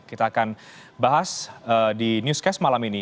kita akan bahas di newscast malam ini